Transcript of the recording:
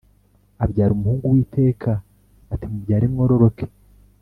Abyara Umuhungu Uwiteka Ati “Mubyare Mwororoke”